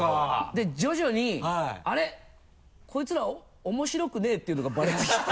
で徐々に「あれ？こいつら面白くねぇ」っていうのがバレてきちゃって